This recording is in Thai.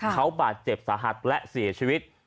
เขาบาดเจ็บสาหัสและเสียชีวิต